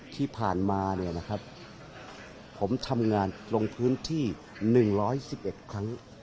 ที่ผ่านมานะครับผมทำงานลงพื้นที่๑ร้อย๑๑ครั้ง